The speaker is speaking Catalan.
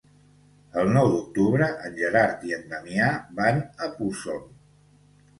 El nou d'octubre en Gerard i en Damià van a Puçol.